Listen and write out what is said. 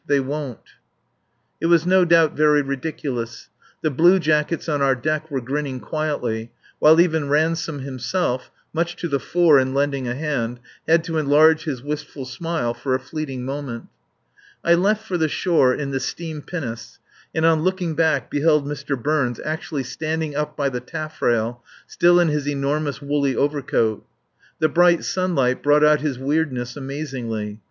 They won't!" It was no doubt very ridiculous. The bluejackets on our deck were grinning quietly, while even Ransome himself (much to the fore in lending a hand) had to enlarge his wistful smile for a fleeting moment. I left for the shore in the steam pinnace, and on looking back beheld Mr. Burns actually standing up by the taffrail, still in his enormous woolly overcoat. The bright sunlight brought out his weirdness amazingly.